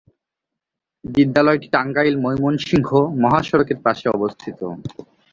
বিদ্যালয়টি টাঙ্গাইল-ময়মনসিংহ মহাসড়কের পাশে অবস্থিত।